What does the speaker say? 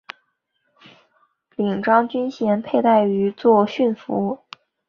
领章军衔佩戴于作训服。